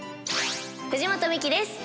藤本美貴です。